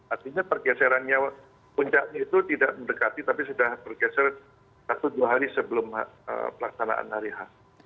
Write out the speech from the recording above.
artinya pergeserannya puncaknya itu tidak mendekati tapi sudah bergeser satu dua hari sebelum pelaksanaan hari h